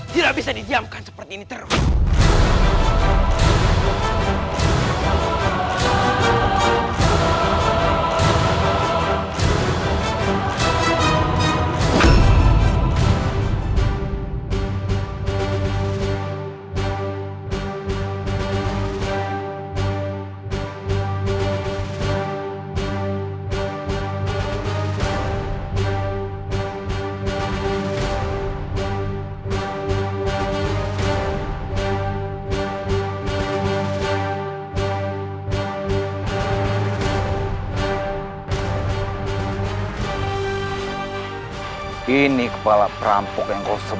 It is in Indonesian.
tidak bisa didiamkan seperti ini terus